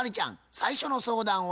最初の相談は？